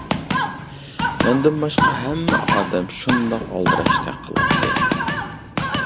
مەندىن باشقا ھەممە ئادەم شۇنداق ئالدىراشتەك قىلاتتى.